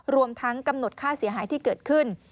รวมทั้งกำหนดค่าเสียหายที่เกิดขึ้น